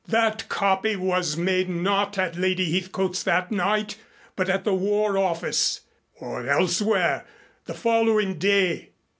"That copy was made not at Lady Heathcote's that night, but at the War Office or elsewhere the following day.